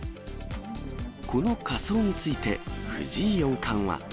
この仮装について、藤井四冠は。